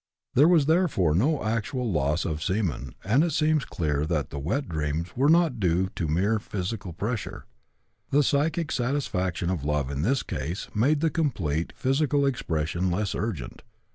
There was therefore no actual loss of semen, and it seems clear that the 'wet dreams' were not due to mere physical pressure. The psychic satisfaction of love in this case made the complete physical expression less urgent.